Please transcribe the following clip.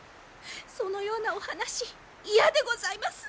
そのようなお話嫌でございます！